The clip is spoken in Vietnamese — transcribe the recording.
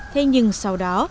thế nhưng sau đó